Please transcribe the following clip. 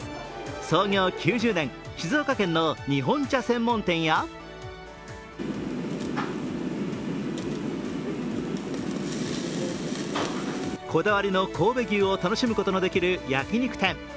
創業９０年静岡県の日本茶専門店やこだわりの神戸牛を楽しむことのできる焼き肉店。